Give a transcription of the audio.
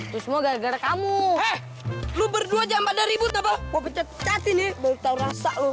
semoga gara gara kamu lu berdua jangan pada ribut apa bobot cat ini mau tahu rasa lo